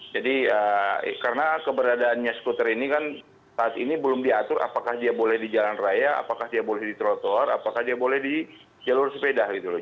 jadi karena keberadaannya skuter ini kan saat ini belum diatur apakah dia boleh di jalan raya apakah dia boleh di trotor apakah dia boleh di jalur sepeda gitu loh